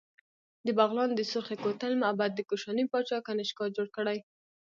د بغلان د سورخ کوتل معبد د کوشاني پاچا کنیشکا جوړ کړی